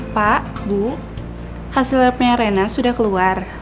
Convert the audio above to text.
pak bu hasil labnya rena sudah keluar